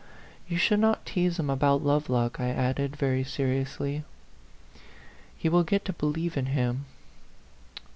"You should not tease him about Love lock," I added, very seriously. " He will get to believe in him."